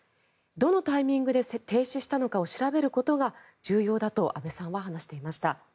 どのタイミングで停止したか調べることが重要だと安倍さんは話していました。